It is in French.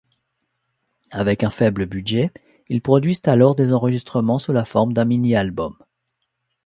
Avec un faible budget, ils produisent alors des enregistrements sous la forme d'un mini-album.